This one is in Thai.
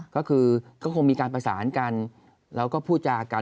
ก็คือก็คงมีการประสานกันแล้วก็พูดจากัน